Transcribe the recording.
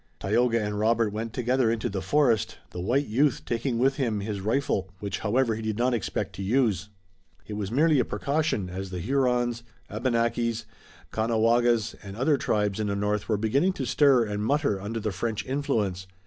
Tayoga and Robert went together into the forest, the white youth taking with him his rifle, which, however, he did not expect to use. It was merely a precaution, as the Hurons, Abenakis, Caughnawagas and other tribes in the north were beginning to stir and mutter under the French influence.